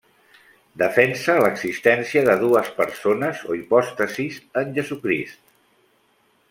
Defensa l'existència de dues persones o hipòstasis en Jesucrist.